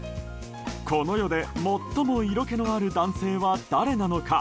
この世で最も色気のある男性は誰なのか。